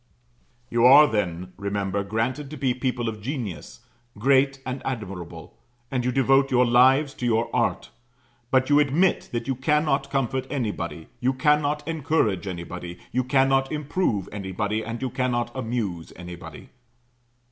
You are, then, remember, granted to be people of genius great and admirable; and you devote your lives to your art, but you admit that you cannot comfort anybody, you cannot encourage anybody, you cannot improve anybody, and you cannot amuse anybody.